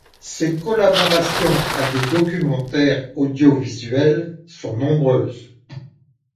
Ses collaborations à des documentaires audiovisuels sont nombreuses.